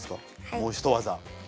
もうひと技。